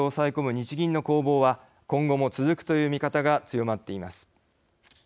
日銀の攻防は今後も続くという見方が強まっています。